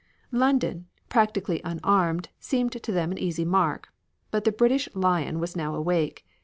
London, practically unarmed, seemed to them an easy mark. But the British Lion was now awake.